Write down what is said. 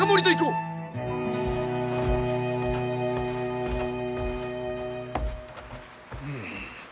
うん。